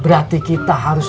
berarti kita harus